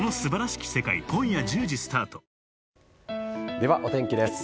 では、お天気です。